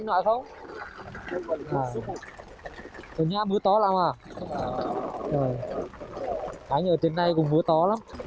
ở nhà mưa to lắm à anh ở trên đây cũng mưa to lắm